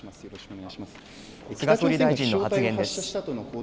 菅総理大臣の発言です。